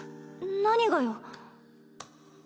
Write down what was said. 何がよ。